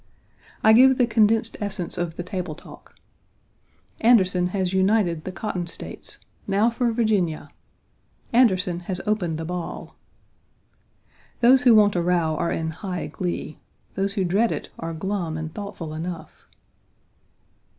I give the condensed essence of the table talk: "Anderson has united the cotton States. Now for Virginia!" "Anderson has opened the ball." Those who want a row are in high glee. Those who dread it are glum and thoughtful enough.